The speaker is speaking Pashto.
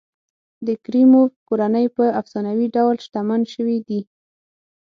د کریموف کورنۍ په افسانوي ډول شتمن شوي دي.